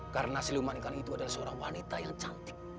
karena siluman ikan itu adalah seorang wanita yang cantik